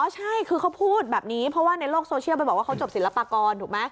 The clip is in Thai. ใช่คือเขาพูดแบบนี้เพราะว่าในโลกโซเชียลไปบอกว่าเขาจบศิลปากรถูกไหม